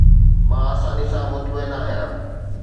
مان آساني سان مطمئن آهيان